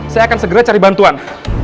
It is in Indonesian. saya akan segera cari bantuan